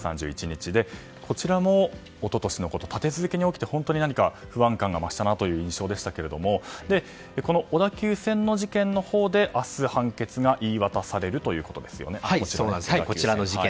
こちらも一昨年のこと立て続けに起きて本当に何か不安感が増したなという印象でしたが小田急線の事件のほうで明日、判決が言い渡されるということですよね。